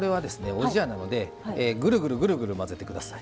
おじやなのでぐるぐるぐるぐる混ぜてください。